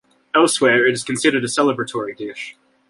Elsewhere, it is considered a celebratory dish.